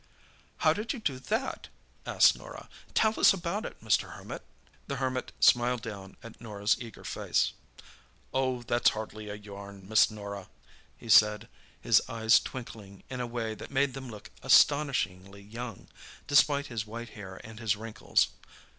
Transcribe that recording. "How did you do that?" asked Norah; "tell us about it, Mr. Hermit!" The Hermit smiled down at Norah's eager face. "Oh, that's hardly a yarn, Miss Norah," he said, his eyes twinkling in a way that made them look astonishingly young, despite his white hair and his wrinkles.